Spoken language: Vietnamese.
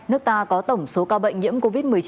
nước ta có tổng số ca bệnh nhiễm covid một mươi chín